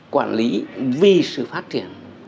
quản lý vì sự phát triển